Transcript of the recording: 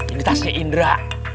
ini tasnya indra